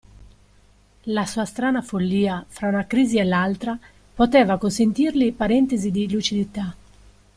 La sua strana follia, fra una crisi e l'altra, poteva consentirgli parentesi di lucidità.